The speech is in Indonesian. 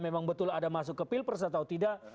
memang betul ada masuk ke pil persatau tidak